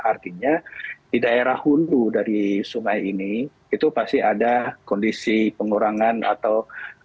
artinya di daerah hulu dari sungai ini itu pasti ada kondisi pengurangan atau